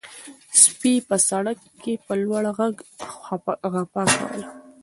سپي په سړک کې په لوړ غږ غپا کوله.